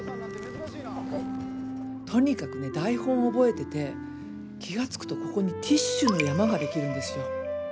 とにかくね台本覚えてて気が付くとここにティッシュの山ができるんですよ。